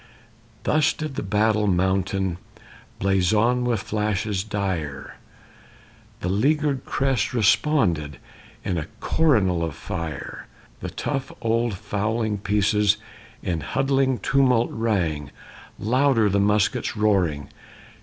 Thus did the battle mountain Blazon with flashes dire; The leaguered crest responded In a coronal of fire. The tough old fowling pieces In huddling tumult rang. Louder the muskets' roaring!